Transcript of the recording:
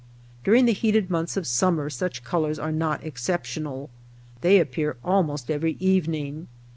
During the heated months of summer such colors are not exceptional. They appear almost every evening.